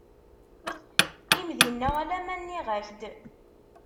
Qqim dinna alamma nniɣ-ak-d.